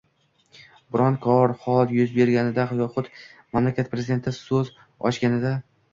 biron kor-hol yuz bersagina yoxud mamlakat prezidenti so‘z ochsagina